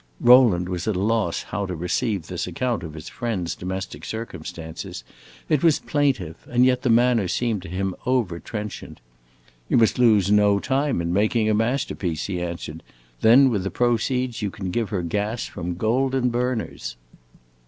Rowland was at loss how to receive this account of his friend's domestic circumstances; it was plaintive, and yet the manner seemed to him over trenchant. "You must lose no time in making a masterpiece," he answered; "then with the proceeds you can give her gas from golden burners."